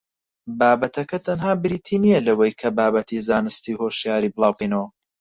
بابەتەکە تەنها بریتی نییە لەوەی کە بابەتی زانستی و هۆشیاری بڵاوبکەینەوە